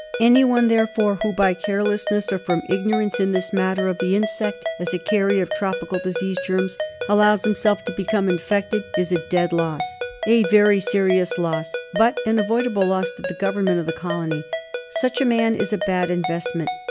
Anyone, therefore, who by carelessness, or from ignorance in this matter of the insect as a carrier of tropical disease germs allows himself to become in fected is a dead loss, a very serious loss, but an avoida ble loss to the Government of the colony. Such a man is a bad investment.